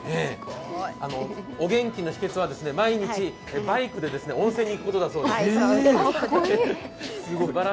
お元気の秘けつは、毎日バイクで温泉に行くことだそうです。